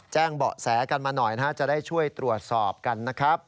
แจ้งเบาะแสกันมาหน่อยนะฮะจะได้ช่วยตรวจสอบกันนะครับ